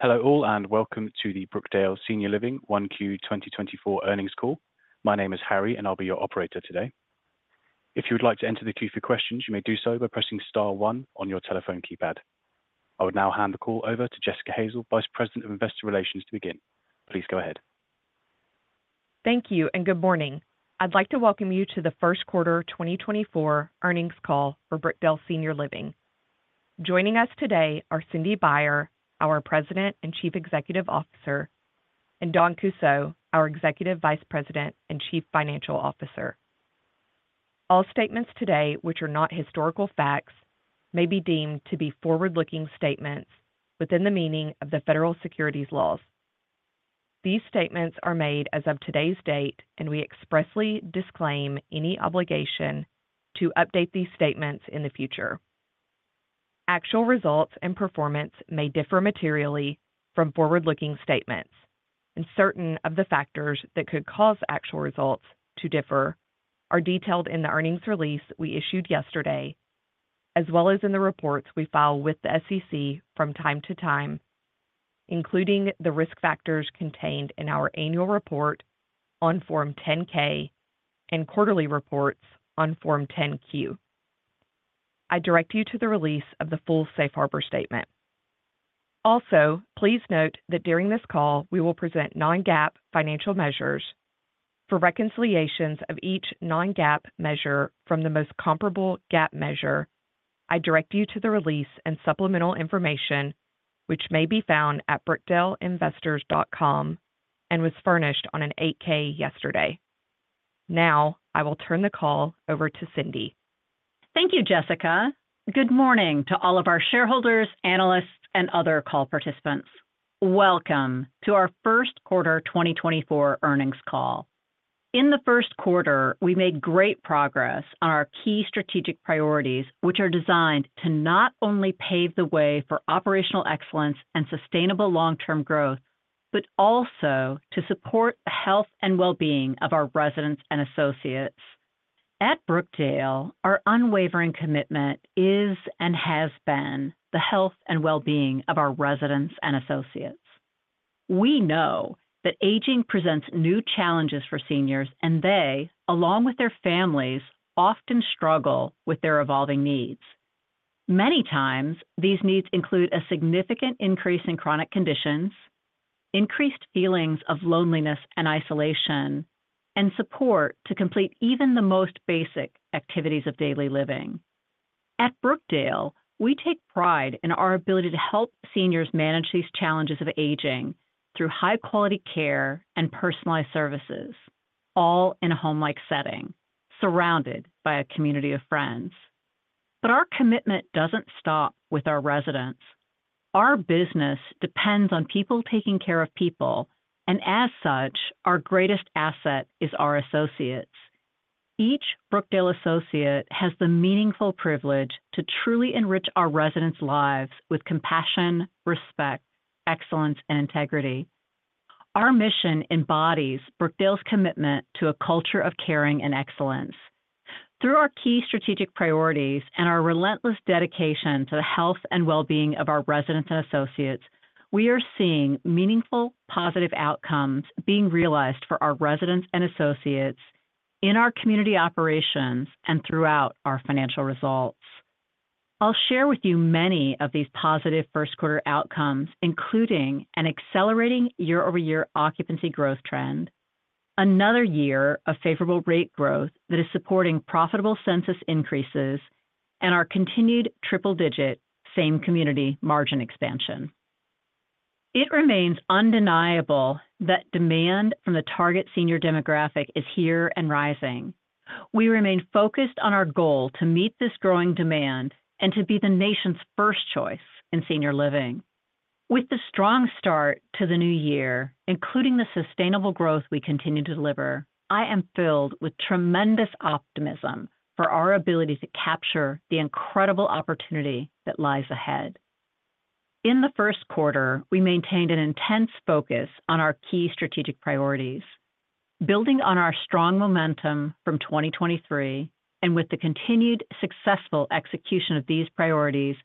Hello all and welcome to the Brookdale Senior Living 1Q 2024 earnings call. My name is Harry and I'll be your operator today. If you would like to enter the queue for questions, you may do so by pressing star 1 on your telephone keypad. I would now hand the call over to Jessica Hansen, Vice President of Investor Relations, to begin. Please go ahead. Thank you and good morning. I'd like to welcome you to the first quarter 2024 earnings call for Brookdale Senior Living. Joining us today are Cindy Baier, our President and Chief Executive Officer, and Dawn Kussow, our Executive Vice President and Chief Financial Officer. All statements today which are not historical facts may be deemed to be forward-looking statements within the meaning of the federal securities laws. These statements are made as of today's date and we expressly disclaim any obligation to update these statements in the future. Actual results and performance may differ materially from forward-looking statements, and certain of the factors that could cause actual results to differ are detailed in the earnings release we issued yesterday, as well as in the reports we file with the SEC from time to time, including the risk factors contained in our annual report on Form 10-K and quarterly reports on Form 10-Q. I direct you to the release of the full safe harbor statement. Also, please note that during this call we will present non-GAAP financial measures. For reconciliations of each non-GAAP measure from the most comparable GAAP measure, I direct you to the release and supplemental information which may be found at brookdaleinvestors.com and was furnished on an 8-K yesterday. Now I will turn the call over to Cindy. Thank you, Jessica. Good morning to all of our shareholders, analysts, and other call participants. Welcome to our first quarter 2024 earnings call. In the first quarter we made great progress on our key strategic priorities which are designed to not only pave the way for operational excellence and sustainable long-term growth, but also to support the health and well-being of our residents and associates. At Brookdale, our unwavering commitment is and has been the health and well-being of our residents and associates. We know that aging presents new challenges for seniors and they, along with their families, often struggle with their evolving needs. Many times these needs include a significant increase in chronic conditions, increased feelings of loneliness and isolation, and support to complete even the most basic activities of daily living. At Brookdale, we take pride in our ability to help seniors manage these challenges of aging through high-quality care and personalized services, all in a home-like setting, surrounded by a community of friends. But our commitment doesn't stop with our residents. Our business depends on people taking care of people, and as such, our greatest asset is our associates. Each Brookdale associate has the meaningful privilege to truly enrich our residents' lives with compassion, respect, excellence, and integrity. Our mission embodies Brookdale's commitment to a culture of caring and excellence. Through our key strategic priorities and our relentless dedication to the health and well-being of our residents and associates, we are seeing meaningful, positive outcomes being realized for our residents and associates in our community operations and throughout our financial results. I'll share with you many of these positive first quarter outcomes, including an accelerating year-over-year occupancy growth trend, another year of favorable rate growth that is supporting profitable census increases, and our continued triple-digit same-community margin expansion. It remains undeniable that demand from the target senior demographic is here and rising. We remain focused on our goal to meet this growing demand and to be the nation's first choice in senior living. With the strong start to the new year, including the sustainable growth we continue to deliver, I am filled with tremendous optimism for our ability to capture the incredible opportunity that lies ahead. In the first quarter, we maintained an intense focus on our key strategic priorities. Building on our strong momentum from 2023 and with the continued successful execution of these priorities,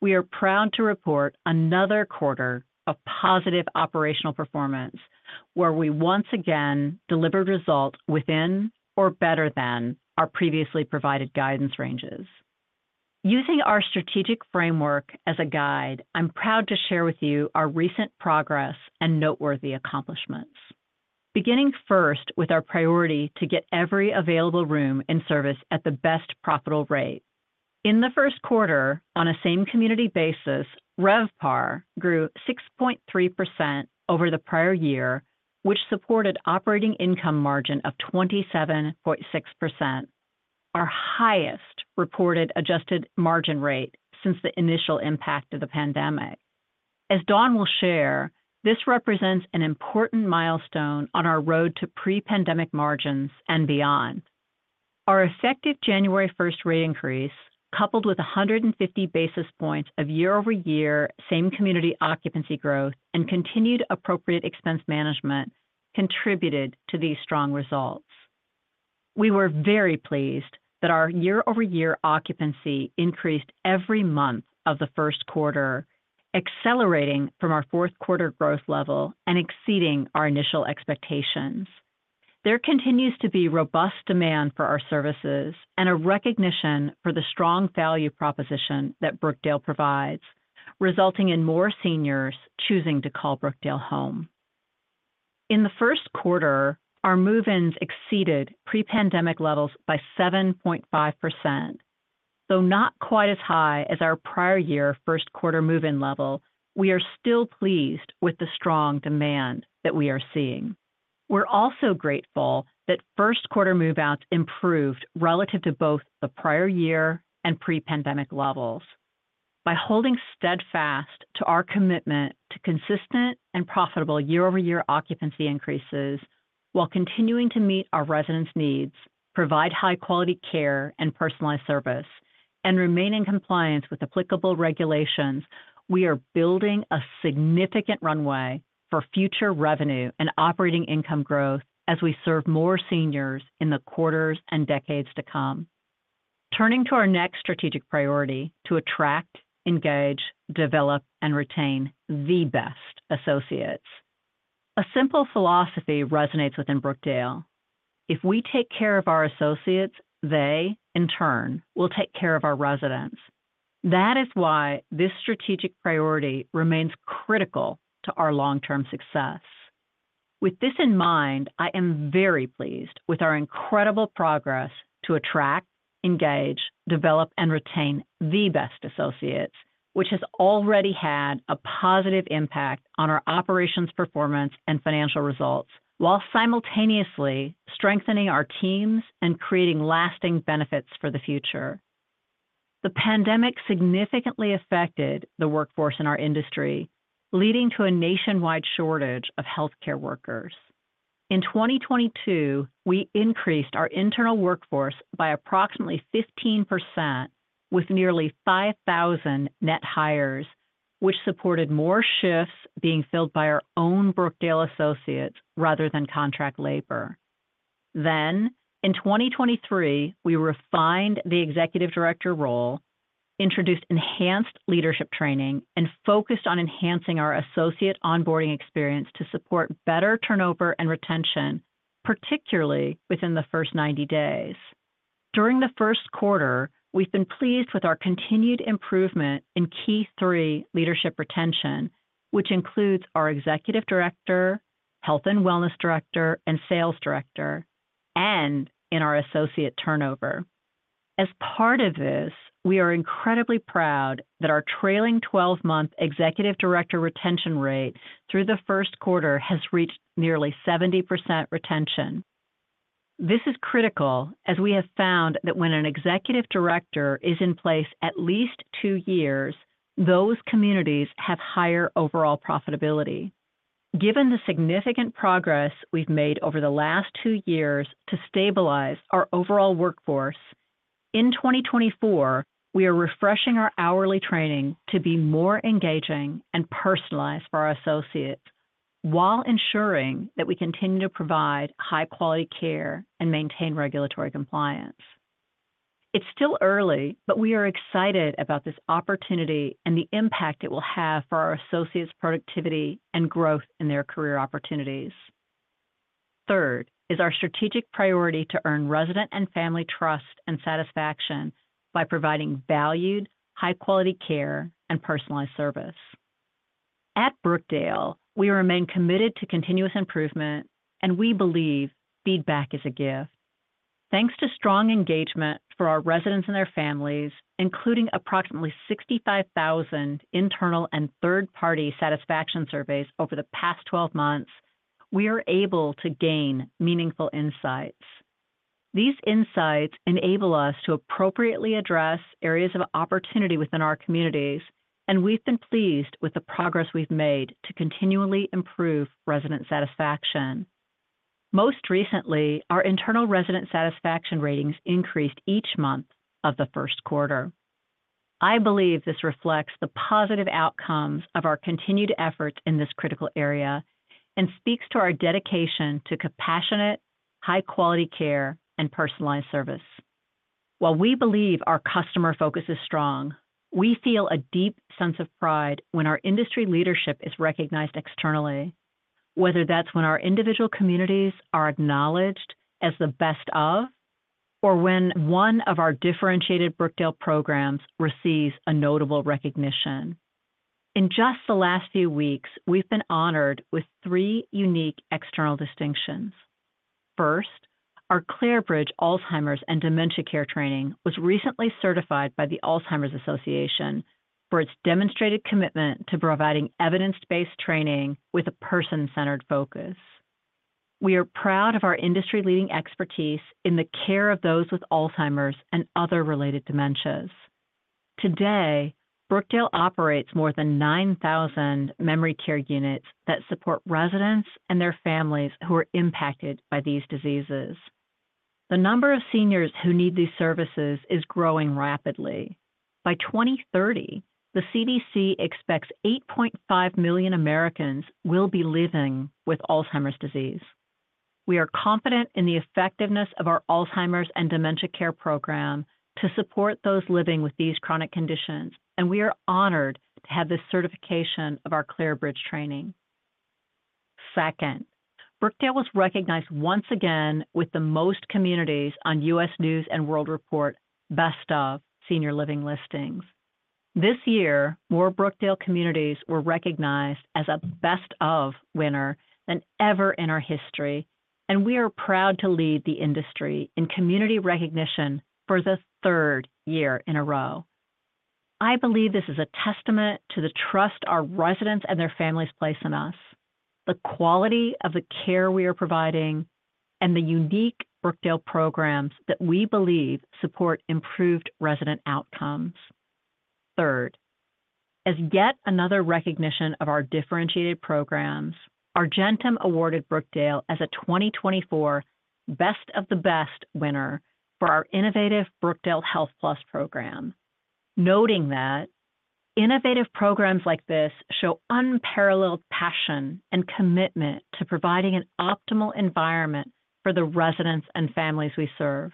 we are proud to report another quarter of positive operational performance, where we once again delivered results within or better than our previously provided guidance ranges. Using our strategic framework as a guide, I'm proud to share with you our recent progress and noteworthy accomplishments. Beginning first with our priority to get every available room in service at the best profitable rate. In the first quarter, on a same-community basis, RevPAR grew 6.3% over the prior year, which supported operating income margin of 27.6%, our highest reported adjusted margin rate since the initial impact of the pandemic. As Dawn will share, this represents an important milestone on our road to pre-pandemic margins and beyond. Our effective January 1st rate increase, coupled with 150 basis points of year-over-year same-community occupancy growth and continued appropriate expense management, contributed to these strong results. We were very pleased that our year-over-year occupancy increased every month of the first quarter, accelerating from our fourth quarter growth level and exceeding our initial expectations. There continues to be robust demand for our services and a recognition for the strong value proposition that Brookdale provides, resulting in more seniors choosing to call Brookdale home. In the first quarter, our move-ins exceeded pre-pandemic levels by 7.5%. Though not quite as high as our prior year first quarter move-in level, we are still pleased with the strong demand that we are seeing. We're also grateful that first quarter move-outs improved relative to both the prior year and pre-pandemic levels. By holding steadfast to our commitment to consistent and profitable year-over-year occupancy increases, while continuing to meet our residents' needs, provide high-quality care and personalized service, and remain in compliance with applicable regulations, we are building a significant runway for future revenue and operating income growth as we serve more seniors in the quarters and decades to come. Turning to our next strategic priority to attract, engage, develop, and retain the best associates. A simple philosophy resonates within Brookdale: if we take care of our associates, they, in turn, will take care of our residents. That is why this strategic priority remains critical to our long-term success. With this in mind, I am very pleased with our incredible progress to attract, engage, develop, and retain the best associates, which has already had a positive impact on our operations performance and financial results, while simultaneously strengthening our teams and creating lasting benefits for the future. The pandemic significantly affected the workforce in our industry, leading to a nationwide shortage of healthcare workers. In 2022, we increased our internal workforce by approximately 15% with nearly 5,000 net hires, which supported more shifts being filled by our own Brookdale associates rather than contract labor. Then, in 2023, we refined the Executive Director role, introduced enhanced leadership training, and focused on enhancing our associate onboarding experience to support better turnover and retention, particularly within the first 90 days. During the first quarter, we've been pleased with our continued improvement in Key Three leadership retention, which includes our Executive Director, Health and Wellness Director, and Sales Director, and in our associate turnover. As part of this, we are incredibly proud that our trailing 12-month Executive Director retention rate through the first quarter has reached nearly 70% retention. This is critical as we have found that when an Executive Director is in place at least two years, those communities have higher overall profitability. Given the significant progress we've made over the last two years to stabilize our overall workforce, in 2024 we are refreshing our hourly training to be more engaging and personalized for our associates, while ensuring that we continue to provide high-quality care and maintain regulatory compliance. It's still early, but we are excited about this opportunity and the impact it will have for our associates' productivity and growth in their career opportunities. Third is our strategic priority to earn resident and family trust and satisfaction by providing valued, high-quality care and personalized service. At Brookdale, we remain committed to continuous improvement, and we believe feedback is a gift. Thanks to strong engagement for our residents and their families, including approximately 65,000 internal and third-party satisfaction surveys over the past 12 months, we are able to gain meaningful insights. These insights enable us to appropriately address areas of opportunity within our communities, and we've been pleased with the progress we've made to continually improve resident satisfaction. Most recently, our internal resident satisfaction ratings increased each month of the first quarter. I believe this reflects the positive outcomes of our continued efforts in this critical area and speaks to our dedication to compassionate, high-quality care and personalized service. While we believe our customer focus is strong, we feel a deep sense of pride when our industry leadership is recognized externally, whether that's when our individual communities are acknowledged as the best of, or when one of our differentiated Brookdale programs receives a notable recognition. In just the last few weeks, we've been honored with three unique external distinctions. First, our Clare Bridge Alzheimer's and Dementia Care Training was recently certified by the Alzheimer's Association for its demonstrated commitment to providing evidence-based training with a person-centered focus. We are proud of our industry-leading expertise in the care of those with Alzheimer's and other related dementias. Today, Brookdale operates more than 9,000 memory care units that support residents and their families who are impacted by these diseases. The number of seniors who need these services is growing rapidly. By 2030, the CDC expects 8.5 million Americans will be living with Alzheimer's disease. We are confident in the effectiveness of our Alzheimer's and Dementia Care Program to support those living with these chronic conditions, and we are honored to have this certification of our Clare Bridge Training. Second, Brookdale was recognized once again with the most communities on U.S. News & World Report Best of Senior Living listings. This year, more Brookdale communities were recognized as a Best of winner than ever in our history, and we are proud to lead the industry in community recognition for the third year in a row. I believe this is a testament to the trust our residents and their families place in us, the quality of the care we are providing, and the unique Brookdale programs that we believe support improved resident outcomes. Third, as yet another recognition of our differentiated programs, Argentum awarded Brookdale as a 2024 Best of the Best winner for our innovative Brookdale HealthPlus Program. Noting that, innovative programs like this show unparalleled passion and commitment to providing an optimal environment for the residents and families we serve.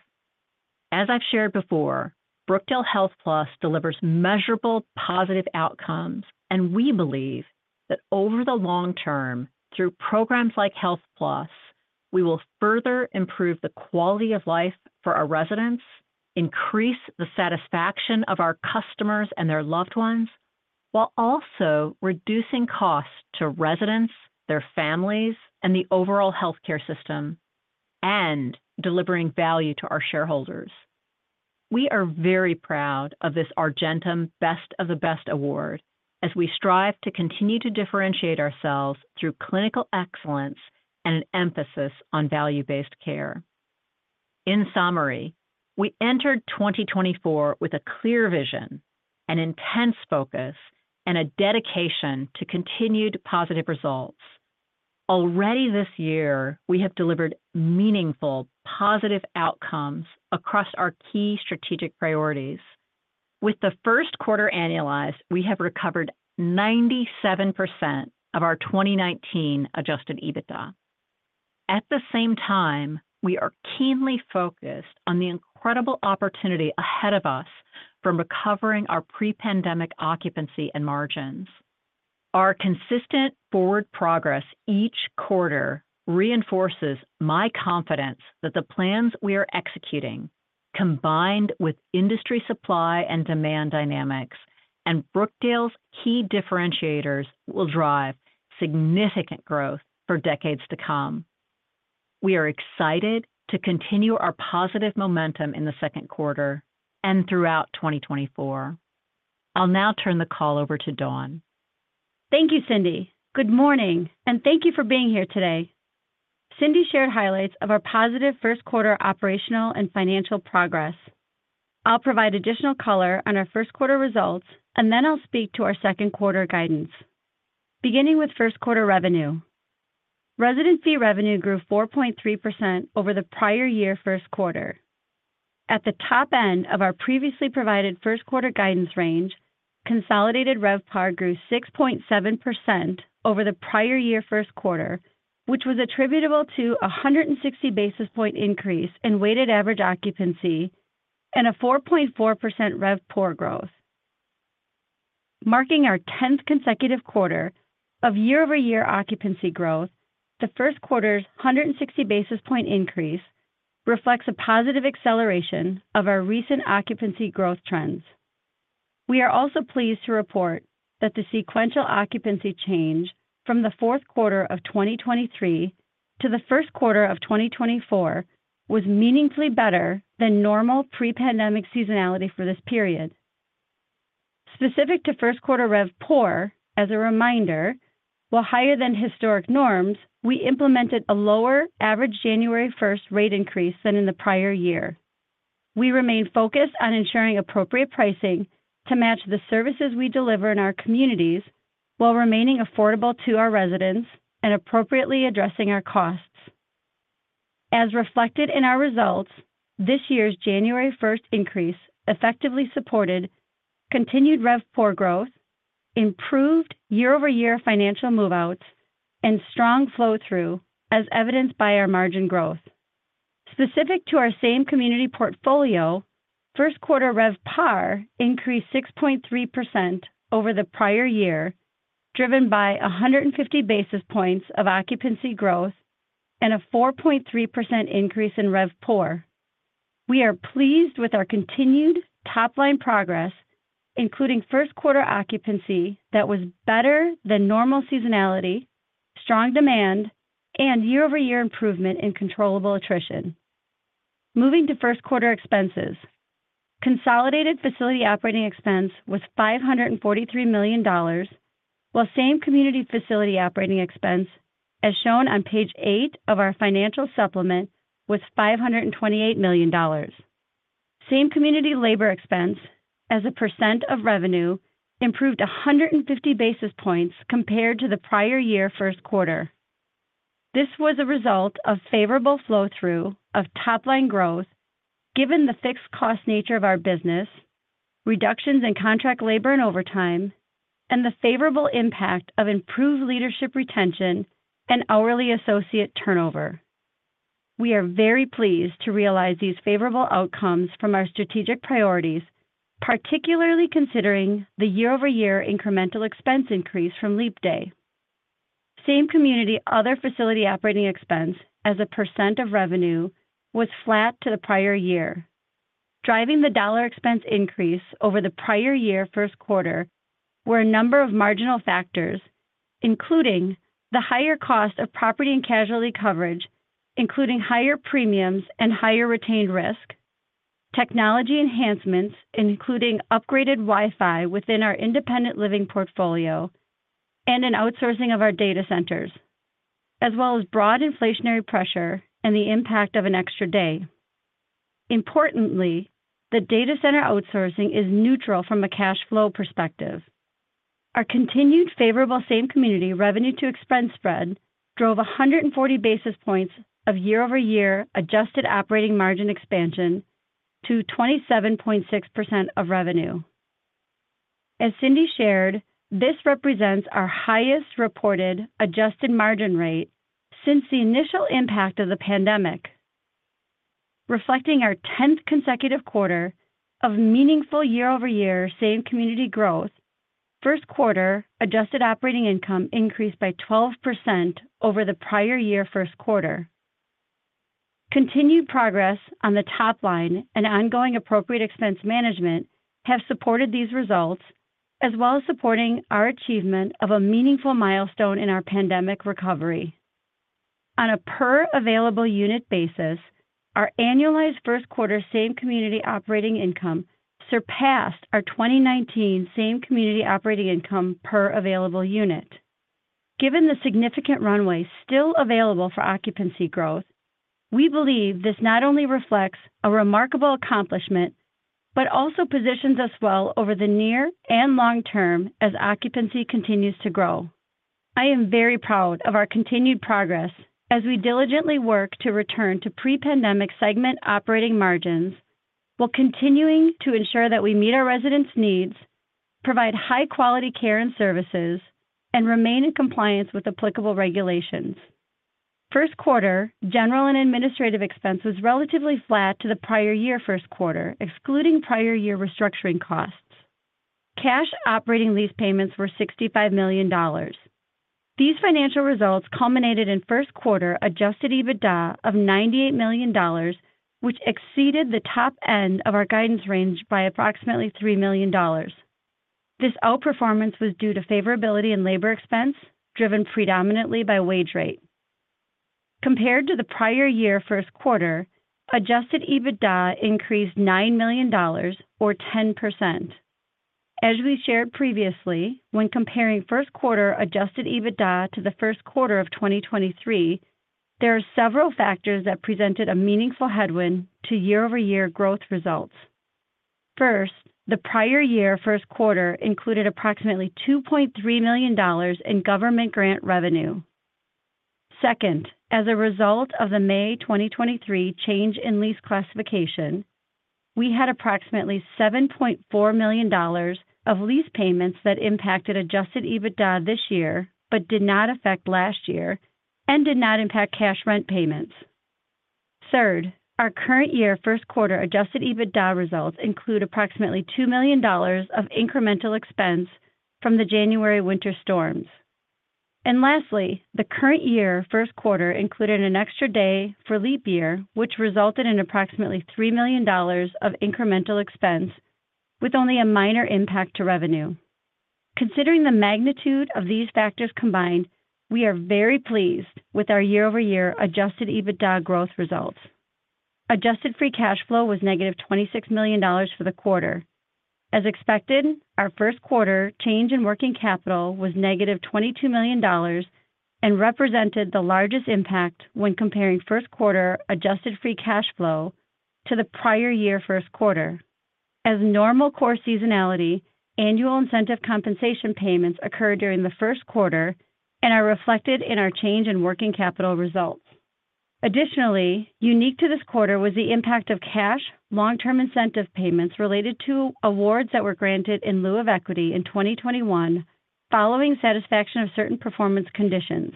As I've shared before, Brookdale HealthPlus delivers measurable, positive outcomes, and we believe that over the long term, through programs like HealthPlus, we will further improve the quality of life for our residents, increase the satisfaction of our customers and their loved ones, while also reducing costs to residents, their families, and the overall healthcare system, and delivering value to our shareholders. We are very proud of this Argentum Best of the Best award as we strive to continue to differentiate ourselves through clinical excellence and an emphasis on value-based care. In summary, we entered 2024 with a clear vision, an intense focus, and a dedication to continued positive results. Already this year, we have delivered meaningful, positive outcomes across our key strategic priorities. With the first quarter annualized, we have recovered 97% of our 2019 Adjusted EBITDA. At the same time, we are keenly focused on the incredible opportunity ahead of us from recovering our pre-pandemic occupancy and margins. Our consistent forward progress each quarter reinforces my confidence that the plans we are executing, combined with industry supply and demand dynamics and Brookdale's key differentiators, will drive significant growth for decades to come. We are excited to continue our positive momentum in the second quarter and throughout 2024. I'll now turn the call over to Dawn. Thank you, Cindy. Good morning, and thank you for being here today. Cindy shared highlights of our positive first quarter operational and financial progress. I'll provide additional color on our first quarter results, and then I'll speak to our second quarter guidance. Beginning with first quarter revenue. Resident fee revenue grew 4.3% over the prior-year first quarter. At the top end of our previously provided first quarter guidance range, consolidated RevPAR grew 6.7% over the prior year first quarter, which was attributable to a 160 basis point increase in weighted average occupancy and a 4.4% RevPOR growth. Marking our 10th consecutive quarter of year-over-year occupancy growth, the first quarter's 160 basis point increase reflects a positive acceleration of our recent occupancy growth trends. We are also pleased to report that the sequential occupancy change from the fourth quarter of 2023 to the first quarter of 2024 was meaningfully better than normal pre-pandemic seasonality for this period. Specific to first quarter RevPOR, as a reminder, while higher than historic norms, we implemented a lower average January 1st rate increase than in the prior year. We remain focused on ensuring appropriate pricing to match the services we deliver in our communities while remaining affordable to our residents and appropriately addressing our costs. As reflected in our results, this year's January 1st increase effectively supported continued RevPOR growth, improved year-over-year financial move-outs, and strong flow-through, as evidenced by our margin growth. Specific to our same community portfolio, first quarter RevPAR increased 6.3% over the prior year, driven by 150 basis points of occupancy growth and a 4.3% increase in RevPOR. We are pleased with our continued top-line progress, including first quarter occupancy that was better than normal seasonality, strong demand, and year-over-year improvement in controllable attrition. Moving to first quarter expenses. Consolidated facility operating expense was $543 million, while same community facility operating expense, as shown on page 8 of our financial supplement, was $528 million. Same community labor expense, as a % of revenue, improved 150 basis points compared to the prior year first quarter. This was a result of favorable flow-through of top-line growth given the fixed-cost nature of our business, reductions in contract labor and overtime, and the favorable impact of improved leadership retention and hourly associate turnover. We are very pleased to realize these favorable outcomes from our strategic priorities, particularly considering the year-over-year incremental expense increase from Leap Day. Same community other facility operating expense, as a percent of revenue, was flat to the prior year, driving the dollar expense increase over the prior year first quarter where a number of marginal factors, including the higher cost of property and casualty coverage, including higher premiums and higher retained risk, technology enhancements including upgraded Wi-Fi within our independent living portfolio, and an outsourcing of our data centers, as well as broad inflationary pressure and the impact of an extra day. Importantly, the data center outsourcing is neutral from a cash flow perspective. Our continued favorable same community revenue-to-expense spread drove 140 basis points of year-over-year adjusted operating margin expansion to 27.6% of revenue. As Cindy shared, this represents our highest reported adjusted margin rate since the initial impact of the pandemic. Reflecting our 10th consecutive quarter of meaningful year-over-year same community growth, first quarter adjusted operating income increased by 12% over the prior year first quarter. Continued progress on the top line and ongoing appropriate expense management have supported these results, as well as supporting our achievement of a meaningful milestone in our pandemic recovery. On a per-available unit basis, our annualized first quarter same community operating income surpassed our 2019 same community operating income per-available unit. Given the significant runway still available for occupancy growth, we believe this not only reflects a remarkable accomplishment but also positions us well over the near and long term as occupancy continues to grow. I am very proud of our continued progress as we diligently work to return to pre-pandemic segment operating margins while continuing to ensure that we meet our residents' needs, provide high-quality care and services, and remain in compliance with applicable regulations. First quarter general and administrative expense was relatively flat to the prior year first quarter, excluding prior year restructuring costs. Cash operating lease payments were $65 million. These financial results culminated in first quarter adjusted EBITDA of $98 million, which exceeded the top end of our guidance range by approximately $3 million. This outperformance was due to favorability in labor expense driven predominantly by wage rate. Compared to the prior year first quarter, adjusted EBITDA increased $9 million or 10%. As we shared previously, when comparing first quarter adjusted EBITDA to the first quarter of 2023, there are several factors that presented a meaningful headwind to year-over-year growth results. First, the prior year first quarter included approximately $2.3 million in government grant revenue. Second, as a result of the May 2023 change in lease classification, we had approximately $7.4 million of lease payments that impacted Adjusted EBITDA this year but did not affect last year and did not impact cash rent payments. Third, our current year first quarter Adjusted EBITDA results include approximately $2 million of incremental expense from the January winter storms. And lastly, the current year first quarter included an extra day for Leap Year, which resulted in approximately $3 million of incremental expense with only a minor impact to revenue. Considering the magnitude of these factors combined, we are very pleased with our year-over-year Adjusted EBITDA growth results. Adjusted Free Cash Flow was -$26 million for the quarter. As expected, our first quarter change in working capital was negative $22 million and represented the largest impact when comparing first quarter Adjusted Free Cash Flow to the prior year first quarter. As normal core seasonality, annual incentive compensation payments occurred during the first quarter and are reflected in our change in working capital results. Additionally, unique to this quarter was the impact of cash long-term incentive payments related to awards that were granted in lieu of equity in 2021 following satisfaction of certain performance conditions.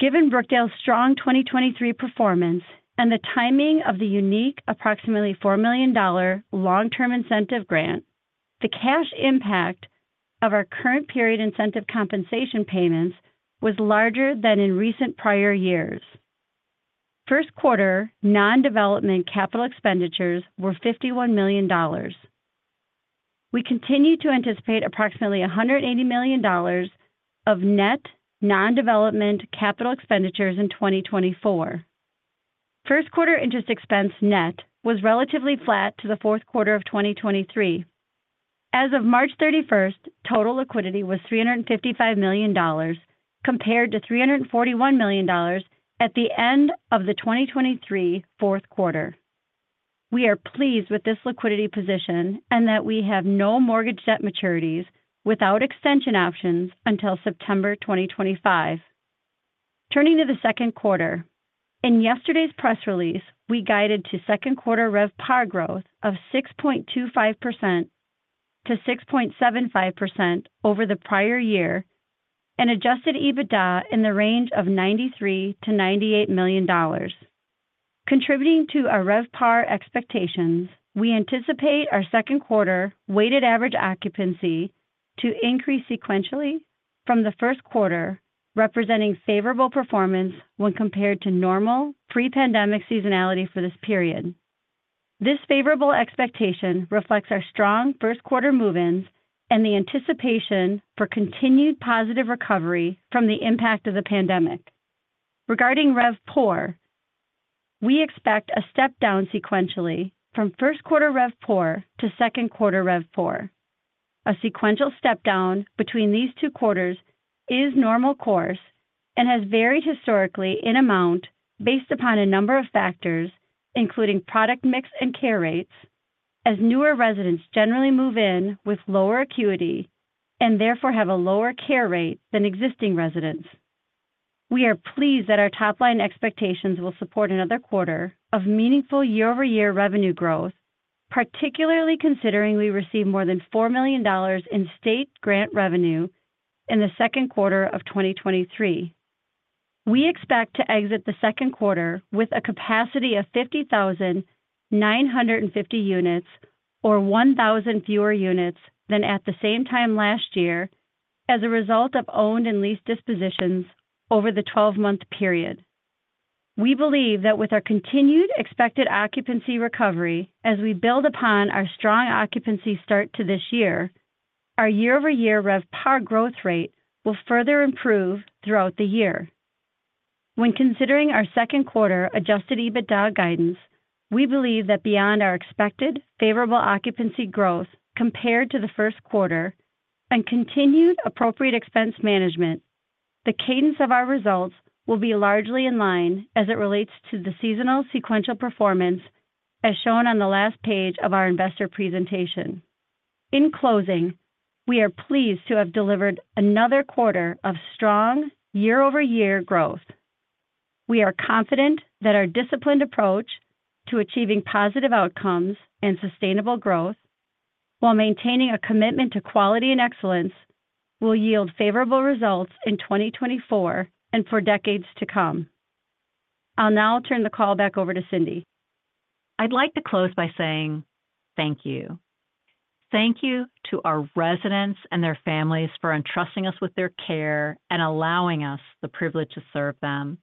Given Brookdale's strong 2023 performance and the timing of the unique approximately $4 million long-term incentive grant, the cash impact of our current period incentive compensation payments was larger than in recent prior years. First quarter non-development capital expenditures were $51 million. We continue to anticipate approximately $180 million of net non-development capital expenditures in 2024. First quarter interest expense net was relatively flat to the fourth quarter of 2023. As of March 31st, total liquidity was $355 million compared to $341 million at the end of the 2023 fourth quarter. We are pleased with this liquidity position and that we have no mortgage debt maturities without extension options until September 2025. Turning to the second quarter. In yesterday's press release, we guided to second quarter RevPAR growth of 6.25%-6.75% over the prior year and adjusted EBITDA in the range of $93-$98 million. Contributing to our RevPAR expectations, we anticipate our second quarter weighted average occupancy to increase sequentially from the first quarter, representing favorable performance when compared to normal pre-pandemic seasonality for this period. This favorable expectation reflects our strong first quarter move-ins and the anticipation for continued positive recovery from the impact of the pandemic. Regarding RevPOR, we expect a step down sequentially from first quarter RevPOR to second quarter RevPOR. A sequential step down between these two quarters is normal course and has varied historically in amount based upon a number of factors, including product mix and care rates, as newer residents generally move in with lower acuity and therefore have a lower care rate than existing residents. We are pleased that our top-line expectations will support another quarter of meaningful year-over-year revenue growth, particularly considering we receive more than $4 million in state grant revenue in the second quarter of 2023. We expect to exit the second quarter with a capacity of 50,950 units or 1,000 fewer units than at the same time last year as a result of owned and leased dispositions over the 12-month period. We believe that with our continued expected occupancy recovery as we build upon our strong occupancy start to this year, our year-over-year RevPAR growth rate will further improve throughout the year. When considering our second quarter Adjusted EBITDA guidance, we believe that beyond our expected favorable occupancy growth compared to the first quarter and continued appropriate expense management, the cadence of our results will be largely in line as it relates to the seasonal sequential performance as shown on the last page of our investor presentation. In closing, we are pleased to have delivered another quarter of strong year-over-year growth. We are confident that our disciplined approach to achieving positive outcomes and sustainable growth, while maintaining a commitment to quality and excellence, will yield favorable results in 2024 and for decades to come. I'll now turn the call back over to Cindy. I'd like to close by saying thank you. Thank you to our residents and their families for entrusting us with their care and allowing us the privilege to serve them.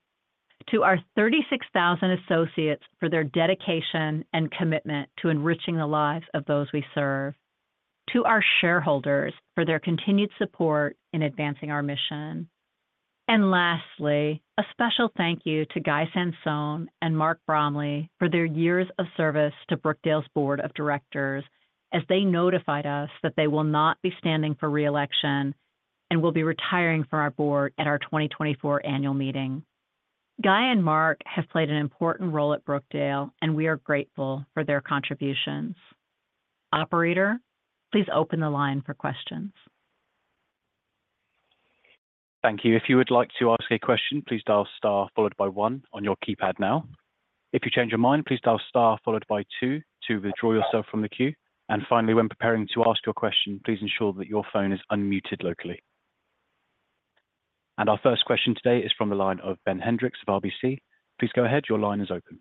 To our 36,000 associates for their dedication and commitment to enriching the lives of those we serve. To our shareholders for their continued support in advancing our mission. And lastly, a special thank you to Guy Sansone and Marcus Bromley for their years of service to Brookdale's board of directors as they notified us that they will not be standing for reelection and will be retiring from our board at our 2024 annual meeting. Guy and Mark have played an important role at Brookdale, and we are grateful for their contributions. Operator, please open the line for questions. Thank you. If you would like to ask a question, please dial star followed by one on your keypad now. If you change your mind, please dial star followed by two to withdraw yourself from the queue. And finally, when preparing to ask your question, please ensure that your phone is unmuted locally. And our first question today is from the line of Ben Hendrix of RBC. Please go ahead. Your line is open.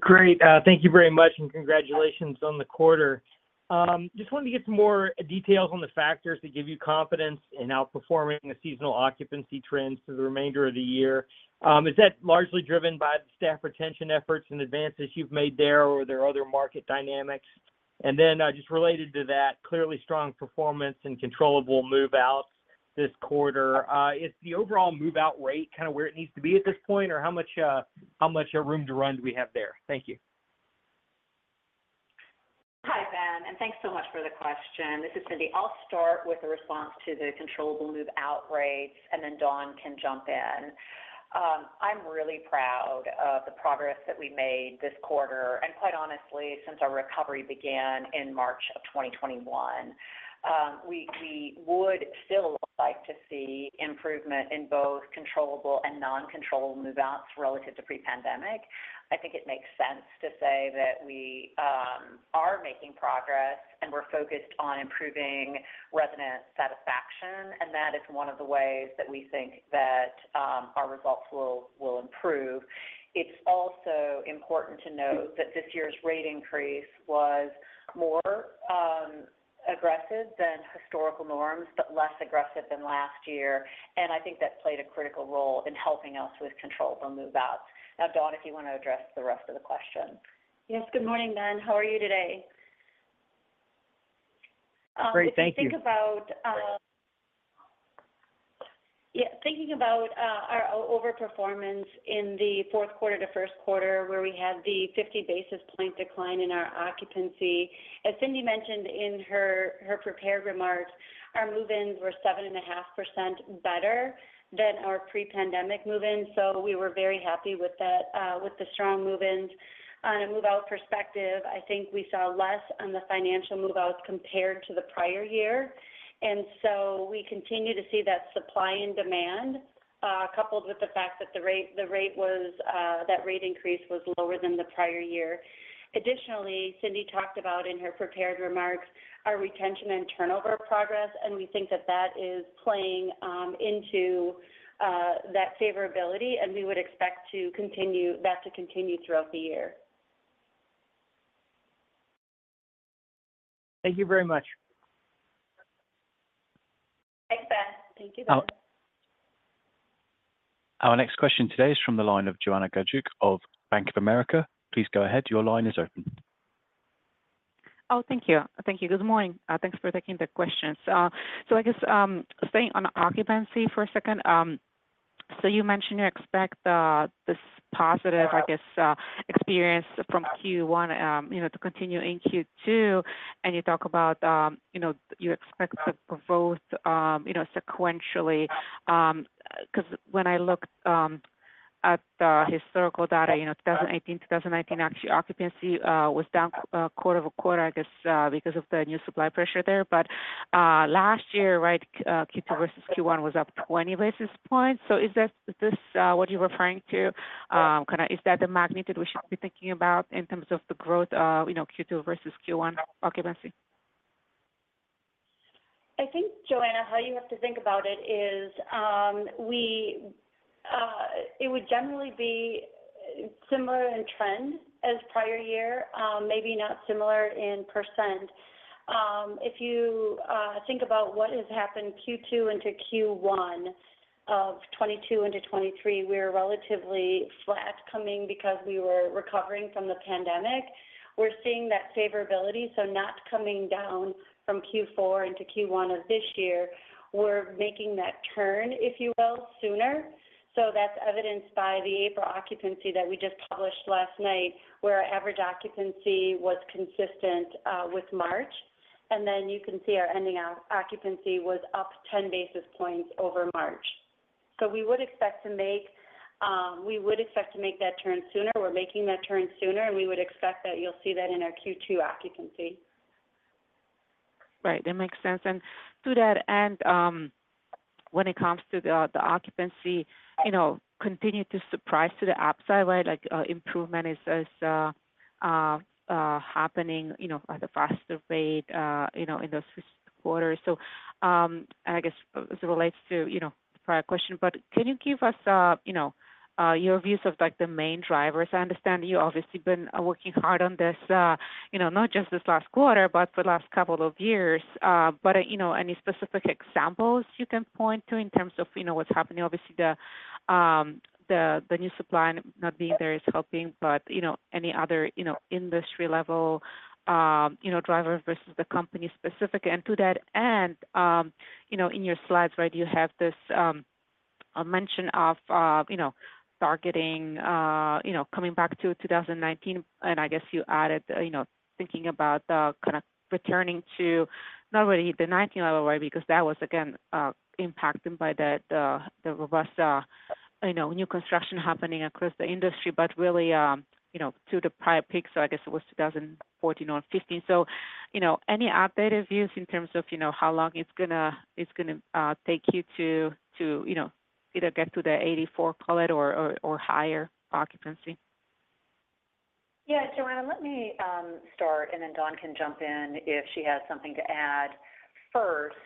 Great. Thank you very much and congratulations on the quarter. Just wanted to get some more details on the factors that give you confidence in outperforming the seasonal occupancy trends through the remainder of the year. Is that largely driven by the staff retention efforts and advances you've made there, or are there other market dynamics? And then just related to that, clearly strong performance and controllable move-outs this quarter. Is the overall move-out rate kind of where it needs to be at this point, or how much room to run do we have there? Thank you. Hi, Ben, and thanks so much for the question. This is Cindy. I'll start with a response to the controllable move-out rates, and then Dawn can jump in. I'm really proud of the progress that we made this quarter. Quite honestly, since our recovery began in March of 2021, we would still like to see improvement in both controllable and non-controllable move-outs relative to pre-pandemic. I think it makes sense to say that we are making progress and we're focused on improving resident satisfaction, and that is one of the ways that we think that our results will improve. It's also important to note that this year's rate increase was more aggressive than historical norms, but less aggressive than last year. I think that played a critical role in helping us with controllable move-outs. Now, Dawn, if you want to address the rest of the question. Yes. Good morning, Ben. How are you today? Great. Thank you. If you think about. Thinking about our overperformance in the fourth quarter to first quarter, where we had the 50 basis points decline in our occupancy, as Cindy mentioned in her prepared remarks, our move-ins were 7.5% better than our pre-pandemic move-ins. So we were very happy with the strong move-ins. On a move-out perspective, I think we saw less on the financial move-outs compared to the prior year. And so we continue to see that supply and demand coupled with the fact that the rate increase was lower than the prior year. Additionally, Cindy talked about in her prepared remarks our retention and turnover progress, and we think that that is playing into that favorability, and we would expect that to continue throughout the year. Thank you very much. Thanks, Ben. Thank you, Ben. Our next question today is from the line of Joanna Gajuk of Bank of America. Please go ahead. Your line is open. Oh, thank you. Thank you. Good morning. Thanks for taking the questions. So I guess staying on occupancy for a second. So you mentioned you expect this positive, I guess, experience from Q1 to continue in Q2, and you talk about you expect the growth sequentially. Because when I looked at the historical data, 2018-2019 actually occupancy was down quarter-over-quarter, I guess, because of the new supply pressure there. But last year, right, Q2 versus Q1 was up 20 basis points. So is this what you're referring to? Kind of is that the magnitude we should be thinking about in terms of the growth Q2 versus Q1 occupancy? I think, Joanna, how you have to think about it is it would generally be similar in trend as prior year, maybe not similar in percent. If you think about what has happened Q2 into Q1 of 2022 into 2023, we're relatively flat coming because we were recovering from the pandemic. We're seeing that favorability. So not coming down from Q4 into Q1 of this year, we're making that turn, if you will, sooner. So that's evidenced by the April occupancy that we just published last night where our average occupancy was consistent with March. And then you can see our ending occupancy was up 10 basis points over March. So we would expect to make that turn sooner. We're making that turn sooner, and we would expect that you'll see that in our Q2 occupancy. Right. That makes sense. And to that end, when it comes to the occupancy, continue to surprise to the upside, right? Improvement is happening at a faster rate in those quarters. So I guess as it relates to the prior question, but can you give us your views of the main drivers? I understand you've obviously been working hard on this, not just this last quarter, but for the last couple of years. But any specific examples you can point to in terms of what's happening? Obviously, the new supply not being there is helping, but any other industry-level driver versus the company specifically. And to that end, in your slides, right, you have this mention of targeting coming back to 2019. I guess you added thinking about kind of returning to not really the 2019 level, right, because that was, again, impacted by the robust new construction happening across the industry, but really to the prior peak. So I guess it was 2014 or 2015. So any updated views in terms of how long it's going to take you to either get to the 84%, call it, or higher occupancy? Yeah. Joanna, let me start, and then Dawn can jump in if she has something to add. First,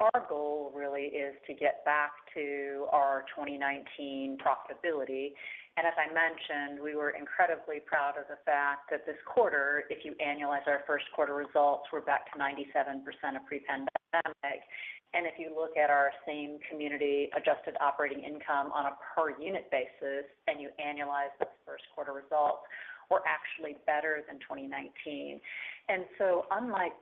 our goal really is to get back to our 2019 profitability. And as I mentioned, we were incredibly proud of the fact that this quarter, if you annualize our first quarter results, we're back to 97% of pre-pandemic. And if you look at our same community adjusted operating income on a per-unit basis and you annualize those first quarter results, we're actually better than 2019. And so unlike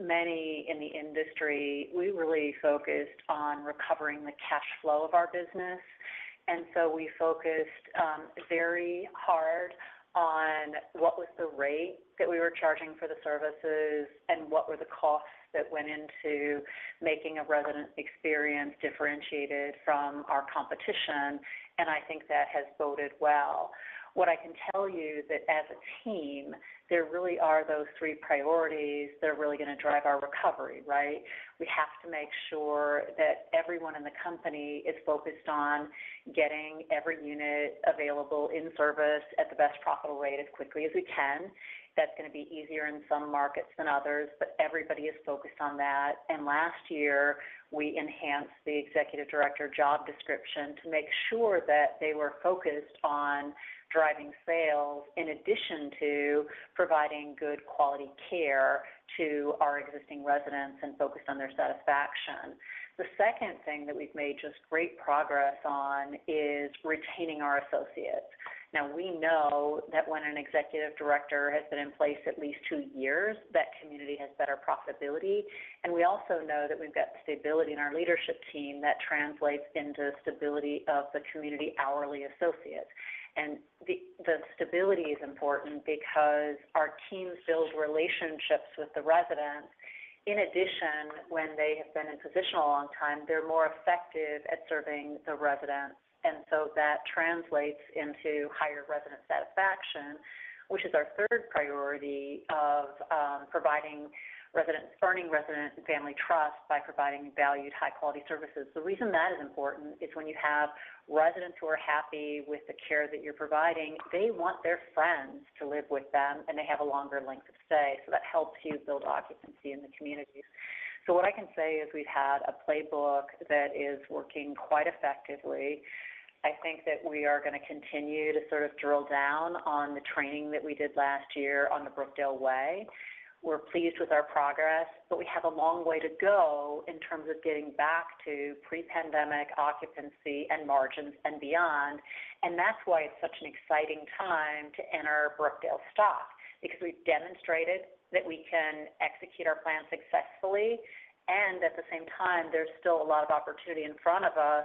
many in the industry, we really focused on recovering the cash flow of our business. And so we focused very hard on what was the rate that we were charging for the services and what were the costs that went into making a resident experience differentiated from our competition. And I think that has boded well. What I can tell you is that as a team, there really are those three priorities that are really going to drive our recovery, right? We have to make sure that everyone in the company is focused on getting every unit available in service at the best profitable rate as quickly as we can. That's going to be easier in some markets than others, but everybody is focused on that. Last year, we enhanced the executive director job description to make sure that they were focused on driving sales in addition to providing good quality care to our existing residents and focused on their satisfaction. The second thing that we've made just great progress on is retaining our associates. Now, we know that when an executive director has been in place at least two years, that community has better profitability. We also know that we've got stability in our leadership team that translates into stability of the community hourly associates. The stability is important because our teams build relationships with the residents. In addition, when they have been in position a long time, they're more effective at serving the residents. So that translates into higher resident satisfaction, which is our third priority of earning resident and family trust by providing valued, high-quality services. The reason that is important is when you have residents who are happy with the care that you're providing, they want their friends to live with them, and they have a longer length of stay. That helps you build occupancy in the community. What I can say is we've had a playbook that is working quite effectively. I think that we are going to continue to sort of drill down on the training that we did last year on the Brookdale Way. We're pleased with our progress, but we have a long way to go in terms of getting back to pre-pandemic occupancy and margins and beyond. And that's why it's such an exciting time to enter Brookdale stock because we've demonstrated that we can execute our plan successfully and at the same time, there's still a lot of opportunity in front of us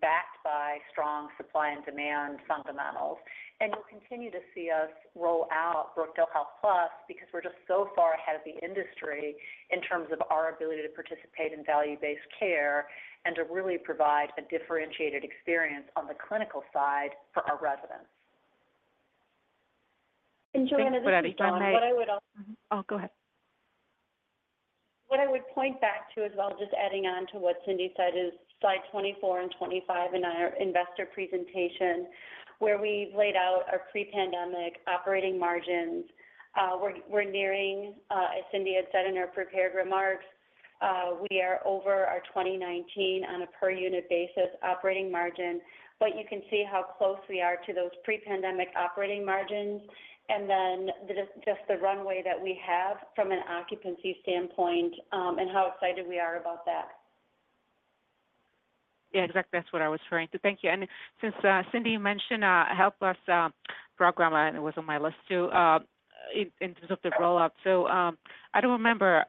backed by strong supply and demand fundamentals. And you'll continue to see us roll out Brookdale HealthPlus because we're just so far ahead of the industry in terms of our ability to participate in value-based care and to really provide a differentiated experience on the clinical side for our residents. Joanna, this is Dawn. What I would also. Oh, go ahead. What I would point back to as well, just adding on to what Cindy said is slide 24 and 25 in our investor presentation where we've laid out our pre-pandemic operating margins. We're nearing, as Cindy had said in her prepared remarks, we are over our 2019 on a per-unit basis operating margin. But you can see how close we are to those pre-pandemic operating margins and then just the runway that we have from an occupancy standpoint and how excited we are about that. Yeah. Exactly. That's what I was referring to. Thank you. And since Cindy mentioned a HealthPlus program, and it was on my list too, in terms of the rollout. So I don't remember.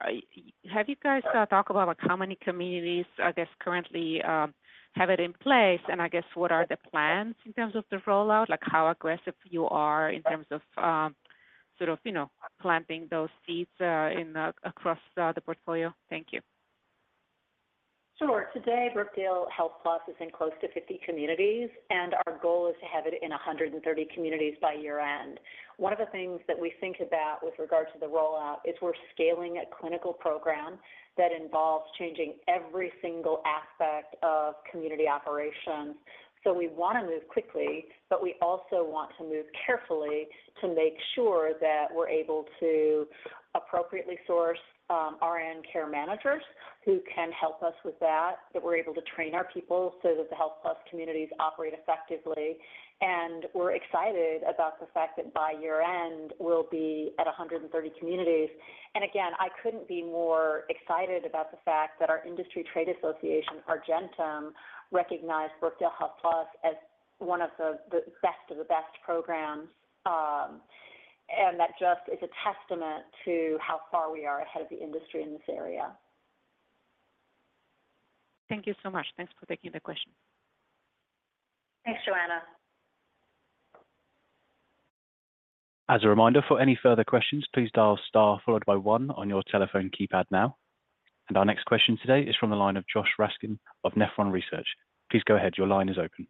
Have you guys talked about how many communities, I guess, currently have it in place? And I guess what are the plans in terms of the rollout, how aggressive you are in terms of sort of planting those seeds across the portfolio? Thank you. Sure. Today, Brookdale HealthPlus is in close to 50 communities, and our goal is to have it in 130 communities by year-end. One of the things that we think about with regard to the rollout is we're scaling a clinical program that involves changing every single aspect of community operations. So we want to move quickly, but we also want to move carefully to make sure that we're able to appropriately source our RN care managers who can help us with that, that we're able to train our people so that the HealthPlus communities operate effectively. And we're excited about the fact that by year-end, we'll be at 130 communities. Again, I couldn't be more excited about the fact that our industry trade association, Argentum, recognized Brookdale HealthPlus as one of the best of the best programs and that just is a testament to how far we are ahead of the industry in this area. Thank you so much. Thanks for taking the question. Thanks, Joanna. As a reminder, for any further questions, please dial STAR followed by 1 on your telephone keypad now. Our next question today is from the line of Josh Raskin of Nephron Research. Please go ahead. Your line is open.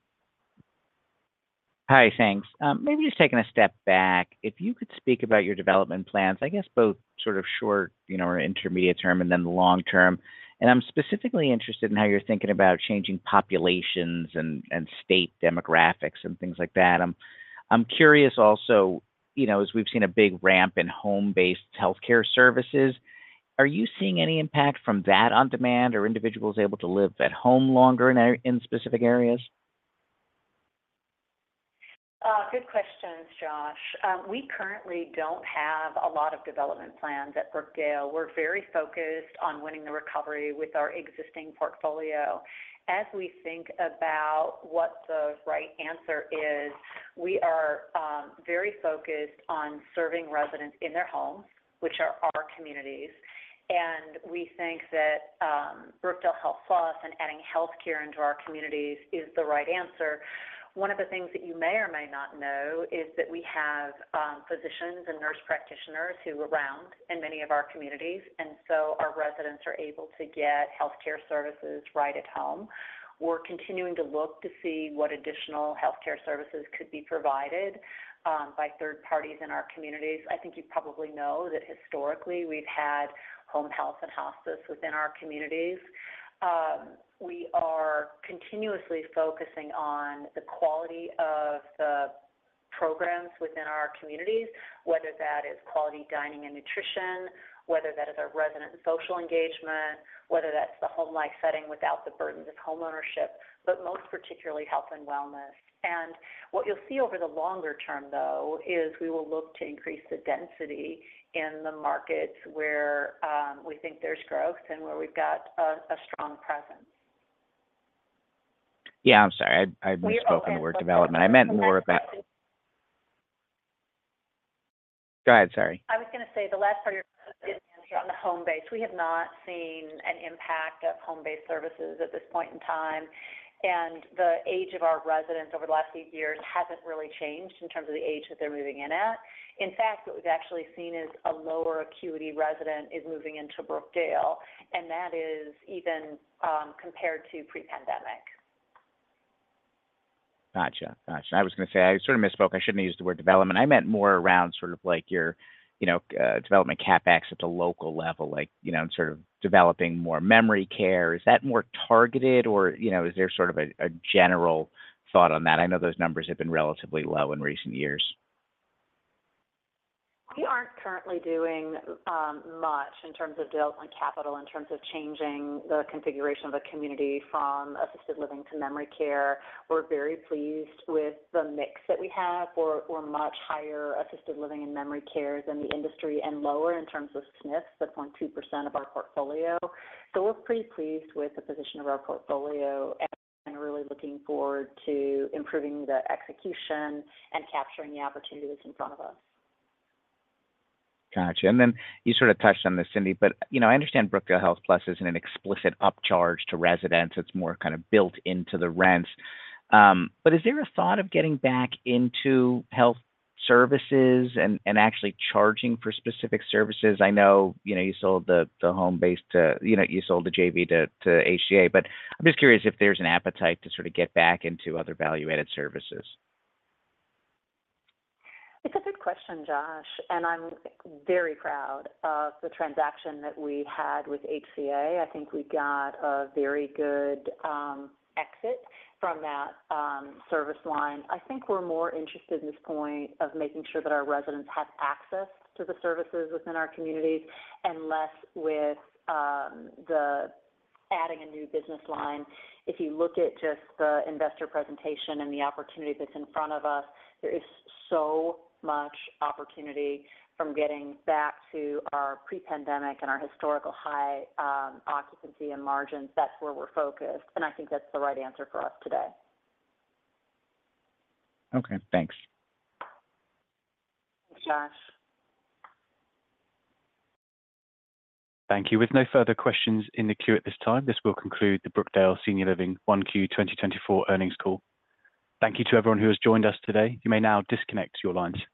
Hi. Thanks. Maybe just taking a step back, if you could speak about your development plans, I guess both sort of short or intermediate term and then long term. I'm specifically interested in how you're thinking about changing populations and state demographics and things like that. I'm curious also, as we've seen a big ramp in home-based healthcare services, are you seeing any impact from that on demand or individuals able to live at home longer in specific areas? Good questions, Josh. We currently don't have a lot of development plans at Brookdale. We're very focused on winning the recovery with our existing portfolio. As we think about what the right answer is, we are very focused on serving residents in their homes, which are our communities. And we think that Brookdale HealthPlus and adding healthcare into our communities is the right answer. One of the things that you may or may not know is that we have physicians and nurse practitioners who are around in many of our communities. And so our residents are able to get healthcare services right at home. We're continuing to look to see what additional healthcare services could be provided by third parties in our communities. I think you probably know that historically, we've had home health and hospice within our communities. We are continuously focusing on the quality of the programs within our communities, whether that is quality dining and nutrition, whether that is our resident social engagement, whether that's the home-like setting without the burdens of home ownership, but most particularly health and wellness. What you'll see over the longer term, though, is we will look to increase the density in the markets where we think there's growth and where we've got a strong presence. Yeah. I'm sorry. I misspoke on the word development. I meant more about. Go ahead. Sorry. I was going to say the last part of your question didn't answer on the home-based. We have not seen an impact of home-based services at this point in time. The age of our residents over the last few years hasn't really changed in terms of the age that they're moving in at. In fact, what we've actually seen is a lower acuity resident is moving into Brookdale, and that is even compared to pre-pandemic. Gotcha. Gotcha. I was going to say I sort of misspoke. I shouldn't have used the word development. I meant more around sort of your development CapEx at the local level and sort of developing more memory care. Is that more targeted, or is there sort of a general thought on that? I know those numbers have been relatively low in recent years. We aren't currently doing much in terms of development capital, in terms of changing the configuration of a community from assisted living to memory care. We're very pleased with the mix that we have. We're much higher assisted living and memory care than the industry and lower in terms of SNFs, the 0.2% of our portfolio. So we're pretty pleased with the position of our portfolio and really looking forward to improving the execution and capturing the opportunities in front of us. Gotcha. And then you sort of touched on this, Cindy, but I understand Brookdale HealthPlus isn't an explicit upcharge to residents. It's more kind of built into the rents. But is there a thought of getting back into health services and actually charging for specific services? I know you sold the JV to HCA, but I'm just curious if there's an appetite to sort of get back into other value-added services. It's a good question, Josh, and I'm very proud of the transaction that we had with HCA. I think we got a very good exit from that service line. I think we're more interested in this point of making sure that our residents have access to the services within our communities and less with adding a new business line. If you look at just the investor presentation and the opportunity that's in front of us, there is so much opportunity from getting back to our pre-pandemic and our historical high occupancy and margins. That's where we're focused. I think that's the right answer for us today. Okay. Thanks. Thanks, Josh. Thank you. With no further questions in the queue at this time, this will conclude the Brookdale Senior Living 1Q 2024 earnings call. Thank you to everyone who has joined us today. You may now disconnect your lines.